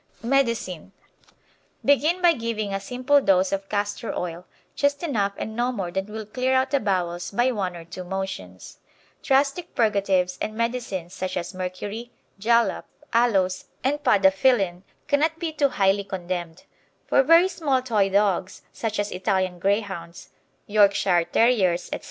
Oatmeal porridge made with milk instead of water. Medicine Begin by giving a simple dose of castor oil, just enough and no more than will clear out the bowels by one or two motions. Drastic purgatives, and medicines such as mercury, jalap, aloes, and podophyllyn, cannot be too highly condemned. For very small Toy dogs, such as Italian Greyhounds, Yorkshire Terriers, etc.